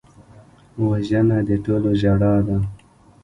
وژنه د ټولو ژړا ده